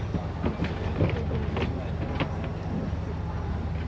ไปกันได้